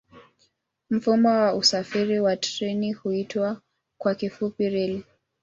Mfumo wa usafiri kwa treni huitwa kwa kifupi reli.